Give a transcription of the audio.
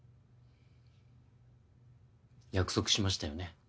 約束しましたよね？